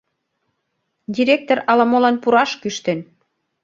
Директор ала-молан пураш кӱштен.